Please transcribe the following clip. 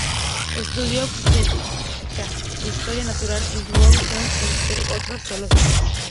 Estudió obstetricia e historia natural con Georges Cuvier, entre otros zoólogos.